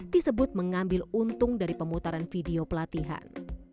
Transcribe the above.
disebut mengambil untung dari pemutaran video pelatihan